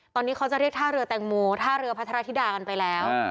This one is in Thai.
ตอนนี้เขาจะเรียกท่าเรือแตงโมท่าเรือพัทรธิดากันไปแล้ว